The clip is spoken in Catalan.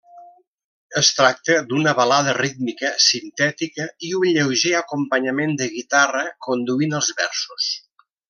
Es tracta d'una balada rítmica, sintètica i un lleuger acompanyament de guitarra conduint els versos.